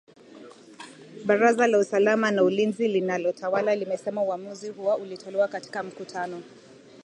Baraza la usalama na ulinzi linalotawala limesema uamuzi huo ulitolewa katika mkutano